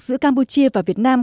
giữa campuchia và việt nam